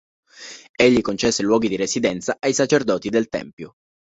Egli concesse luoghi di residenza ai sacerdoti del tempio".